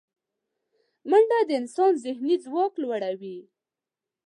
منډه د انسان ذهني ځواک لوړوي